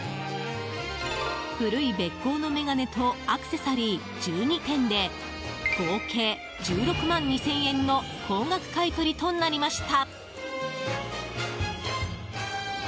古いべっこうの眼鏡とアクセサリー１２点で合計１６万２０００円の高額買い取りとなりました。